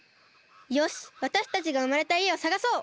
よしわたしたちがうまれたいえをさがそう！